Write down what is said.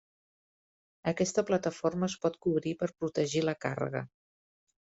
Aquesta plataforma es pot cobrir per a protegir la càrrega.